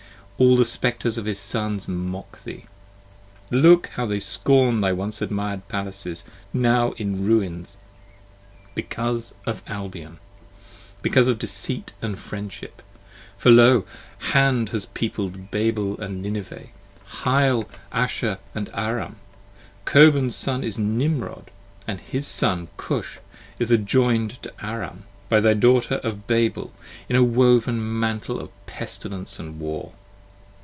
all the Spectres of his Sons mock thee; Look how they scorn thy once admired palaces, now in ruins Because of Albion; because of deceit and friendship; For Lo! Hand has peopled Babel & Nineveh; Hyle, Ashur & Aram: Cohan's son is Nimrod: his son Cush is adjoin'd to Aram, 20 By the Daughter of Babel, in a woven mantle of pestilence & war.